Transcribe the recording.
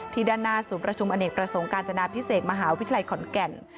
ด้านหน้าศูนย์ประชุมอเนกประสงค์การจนาพิเศษมหาวิทยาลัยขอนแก่น